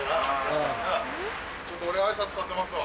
ちょっと俺挨拶させますわ。